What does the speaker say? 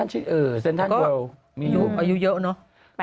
อันนั้นอยู่เยอะเนอะ